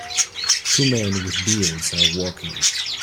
Two men with beards are walking.